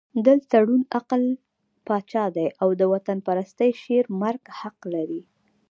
دلته ړوند عقل پاچا دی او د وطنپرستۍ شعر مرګ حق لري.